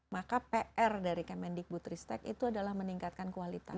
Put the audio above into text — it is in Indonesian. maka pr dari kemendikbutristek itu adalah meningkatkan kualitas